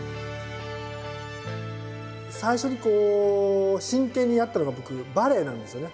最初にこう真剣にやったのが僕バレエなんですね。